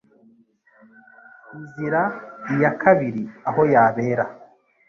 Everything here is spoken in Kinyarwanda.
Izira iya kabiri aho yabera